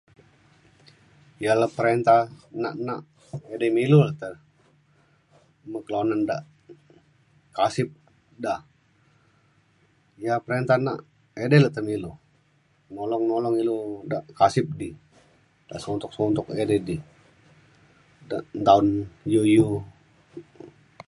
ja le perinta nak nak edi me ilu le te buk kelunan de kasip da ya perinta nak edei le te me ilu ngulong ngulong ilu dak kasip di. ka suntok suntok edi di dak nta un iu iu